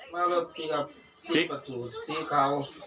มารถปิดประถูปิดเขา